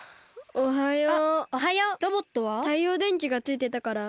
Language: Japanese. おはよう。